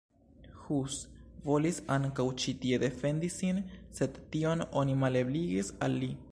Hus volis ankaŭ ĉi tie defendi sin, sed tion oni malebligis al li.